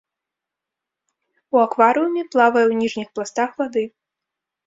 У акварыуме плавае ў ніжніх пластах вады.